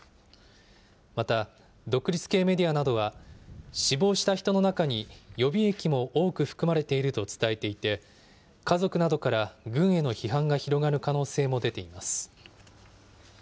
また、独立系メディアなどは、死亡した人の中に予備役も多く含まれていると伝えていて、家族などから軍への批判が広がる可能性も出ています。